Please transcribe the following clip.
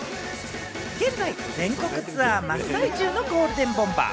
現在全国ツアー真っ最中のゴールデンボンバー。